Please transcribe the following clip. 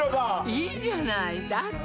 いいじゃないだって